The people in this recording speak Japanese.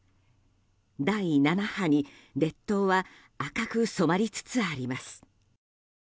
第７波に、列島は赤く染まりつつあります。